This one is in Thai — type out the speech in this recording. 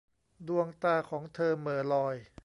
ดวงตาของเธอเหม่อลอย